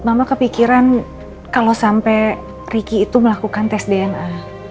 mama kepikiran kalau sampai ricky itu melakukan tes dna